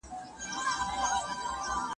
تر هغو دلته لومړۍ هوسۍ لوستلای شئ